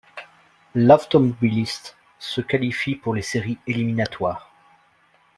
L'Avtomobilist se qualifie pour les séries éliminatoires.